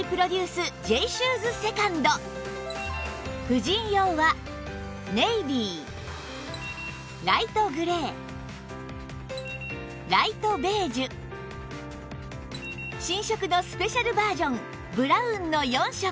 婦人用はネイビーライトグレーライトベージュ新色のスペシャルバージョンブラウンの４色